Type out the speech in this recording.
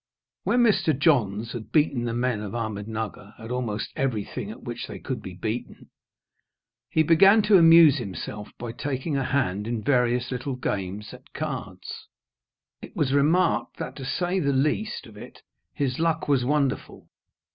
When Mr. Johns had beaten the men of Ahmednugger at almost everything at which they could be beaten, he began to amuse himself by taking a hand in various little games at cards. It was remarked that, to say the least of it, his luck was wonderful.